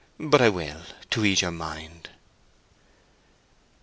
"But I will, to ease your mind."